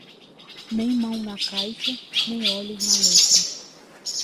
Nem mão na caixa, nem olhos na letra.